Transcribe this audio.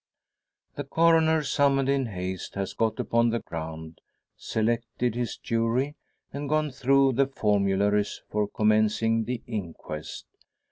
The Coroner, summoned in haste, has got upon the ground, selected his jury, and gone through the formularies for commencing the inquest.